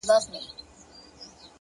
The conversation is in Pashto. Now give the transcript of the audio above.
د نورو خوشالي خپله خوشالي زیاتوي,